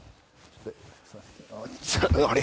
あれ？